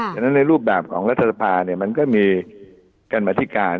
ฉะนั้นในรูปแบบของรัฐสภามันก็มีการมาธิการ